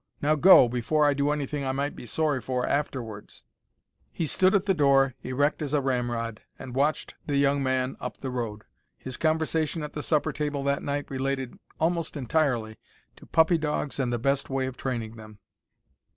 Now go, before I do anything I might be sorry for afterwards." He stood at the door, erect as a ramrod, and watched the young man up the road. His conversation at the supper table that night related almost entirely to puppy dogs and the best way of training them.